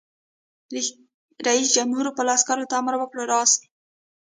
رئیس جمهور خپلو عسکرو ته امر وکړ؛ راست!